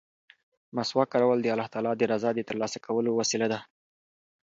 مسواک کارول د الله تعالی د رضا د ترلاسه کولو وسیله ده.